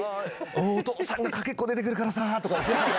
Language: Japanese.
「お父さんが駆けっこ出てくるからさ」とか。